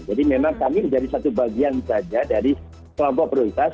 jadi memang kami menjadi satu bagian saja dari kelompok prioritas